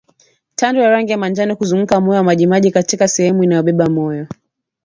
Tando ya rangi ya manjano kuzunguka moyo na majimaji katika sehemu inayobeba moyo